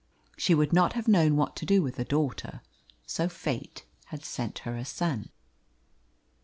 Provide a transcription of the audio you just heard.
She would not have known what to do with a daughter, so Fate had sent her a son.